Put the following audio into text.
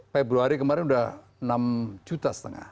dua ribu delapan belas februari kemarin sudah enam juta setengah